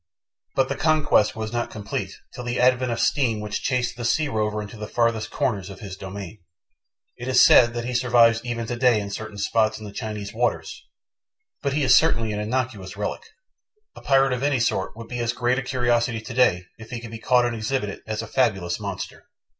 But the conquest was not complete till the advent of steam which chased the sea rover into the farthest corners of his domain. It is said that he survives even today in certain spots in the Chinese waters, but he is certainly an innocuous relic. A pirate of any sort would be as great a curiosity today if he could be caught and exhibited as a fabulous monster.